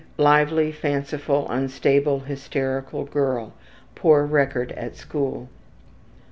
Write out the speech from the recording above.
Lively, fanciful, unstable, hysterical girl. Poor record at school.